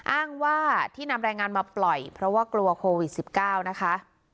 อ้างว่าที่นำแรงงานมาปล่อยเพราะว่ากลัวโควิด๑๙นะคะ